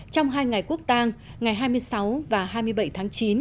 trong hai ngày quốc tang ngày hai mươi sáu và hai mươi bảy tháng chín